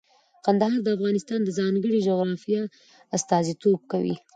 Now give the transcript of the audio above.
کندهار د افغانستان د ځانګړي جغرافیه استازیتوب کوي.